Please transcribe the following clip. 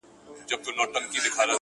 د قدم وهلو په حال کي